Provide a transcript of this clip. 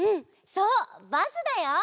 そうバスだよ！